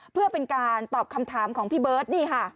เพื่อเป็นการตอบคำถามของพี่เบิร์ตนี่ค่ะ